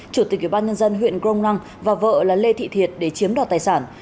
chủ tịch ủy ban nhân dân huyện grong năng và vợ là lê thị thiệt để chiếm đoạt tài sản